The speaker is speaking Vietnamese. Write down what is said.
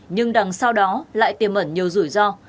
nhưng đằng sau đó lại tiềm ẩn nhiều rủi ro